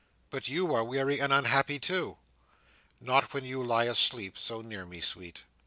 "But you are weary and unhappy, too." "Not when you lie asleep so near me, sweet."